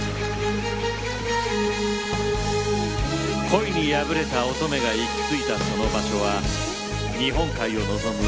恋に破れた乙女が行き着いたその場所は日本海を望む